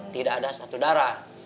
tidak ada satu darah